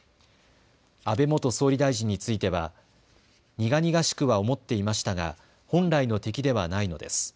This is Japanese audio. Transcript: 安倍元総理大臣については苦々しくは思っていましたが本来の敵ではないのです。